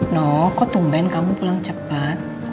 no kok tumben kamu pulang cepat